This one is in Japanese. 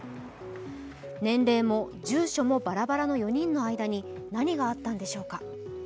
年齢も住所もバラバラの４人の間に何があったのでしょうか。